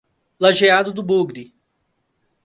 Lajeado do Bugre